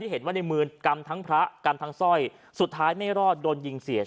ในรถคันนึงเขาพุกอยู่ประมาณกี่โมงครับ๔๕นัท